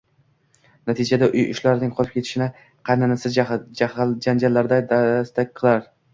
natijada uy ishlarining qolib ketishini qaynanasi janjallarda dastak qilar